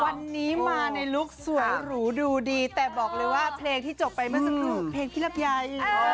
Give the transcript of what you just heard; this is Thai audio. วันนี้มาในลุคสวยหรูดูดีแต่บอกเลยว่าเพลงที่จบไปเมื่อสักครู่เพลงพี่ลำไย